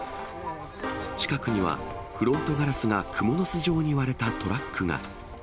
近くには、フロントガラスがくもの巣状に割れたトラックが。